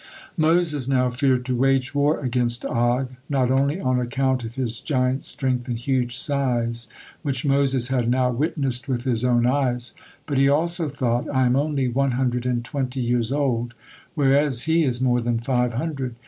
Moses now feared to wage war against Og, not only on account of his giant strength and huge size, which Moses had now witnessed with his own eyes, but he also thought: "I am only one hundred and twenty years old, whereas he is more than five hundred.